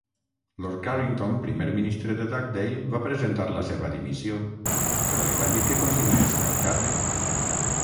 Lord Carrington, primer ministre de Dugdale, va presentar la seva dimissió, però li van dir que continués en el càrrec.